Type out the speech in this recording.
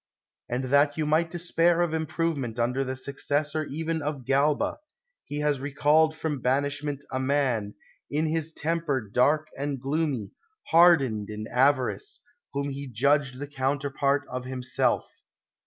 And that you might despair of improvement under the successor even of Galba, he has recalled from banishment a man, in his temper dark and gloomy, hardened in avarice, whom he judged the counterpart of himself.